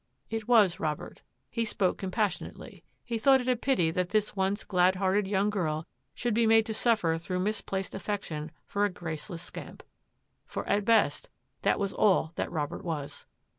"" It was Robert." He spoke compassionately. He thought it a pity that this once glad hearted young girl should be made to suffer through mis placed affection for a graceless scamp; for, at best, that was all that Robert was.